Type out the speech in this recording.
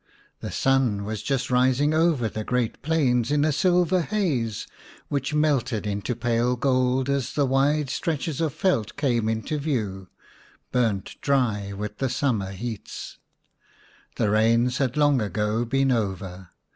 The sun was just rising over the great plains in a silver haze which melted into pale gold as the wide stretches of veld came into view, burnt dry with the summer heats. The rains had long ago been over.